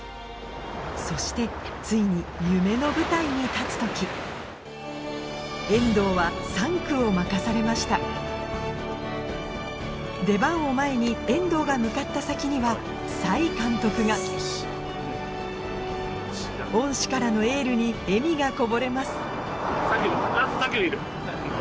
そしてついに夢の舞台に立つ時遠藤は３区を任されました出番を前に遠藤が向かった先には齋監督が恩師からのエールに笑みがこぼれます